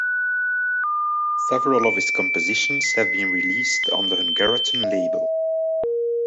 Several of his compositions have been released on the Hungaroton label.